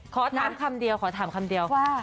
ขอถามคำเดียวขอถามคำเดียวว่า